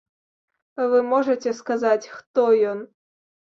Вы можаце сказаць, хто ён?